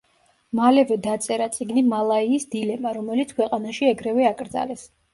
მალევე დაწერა წიგნი „მალაიის დილემა“, რომელიც ქვეყანაში ეგრევე აკრძალეს.